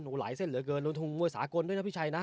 สำเนินหลายเส้นเหลือเกินลนทุนมวยสากลด้วยนะพี่ชัยนะ